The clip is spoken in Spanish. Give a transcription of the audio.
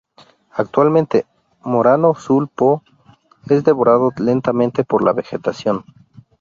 Actualmente, Morano sul Po, es devorado lentamente por la vegetación.